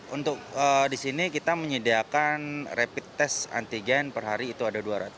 untuk di sini kita menyediakan rapid test antigen per hari itu ada dua ratus